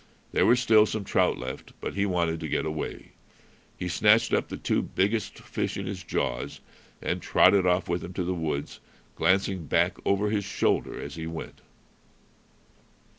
There were still some trout left, but he wanted to get away. He snatched up the two biggest fish in his jaws and trotted off with them to the woods, glancing back over his shoulder as he went.